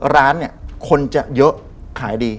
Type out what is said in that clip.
ร้านคนจะเยอะขายดี